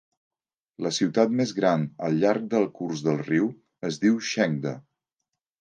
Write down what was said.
La ciutat més gran al llarg del curs del riu és Chengde.